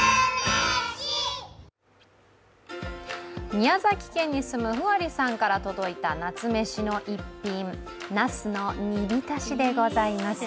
宮崎県に住むふわりさんから届いた夏メシの一品なすの煮浸しでございます。